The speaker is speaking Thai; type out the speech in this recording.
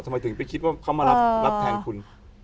ทำไมถึงไปคิดว่าเขามารับแทนคุณ